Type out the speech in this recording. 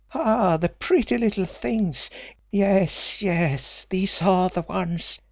Ah, the pretty little things! Yes, yes; these are the ones!